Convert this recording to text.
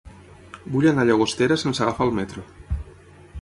Vull anar a Llagostera sense agafar el metro.